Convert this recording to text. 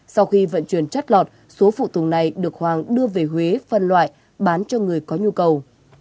sau khi vận chuyển chất lọt số phụ tùng này được hoàng đưa về huế phân loại bán cho người có nhu cầu